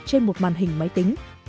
trên một màn hình máy tính